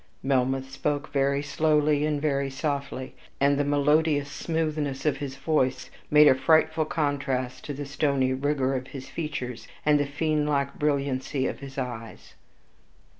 Melmoth spoke very slowly and very softly, and the melodious smoothness of his voice made a frightful contrast to the stony rigor of his features, and the fiendlike brilliancy of his eyes.